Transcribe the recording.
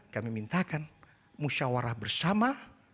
kami mintakan musyawarah bersama